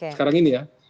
sekarang ini ya